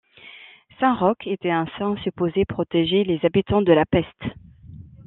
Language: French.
Saint Roch était un saint supposé protéger les habitants de la peste.